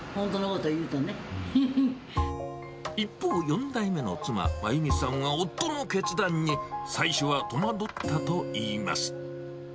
一方、４代目の妻、真弓さんは夫の決断に最初は戸惑ったといいます。